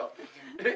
えっ？